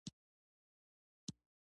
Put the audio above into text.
د هورا چیغې لږ څه خاموشه وې.